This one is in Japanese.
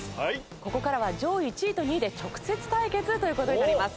ここからは上位１位と２位で直接対決という事になります。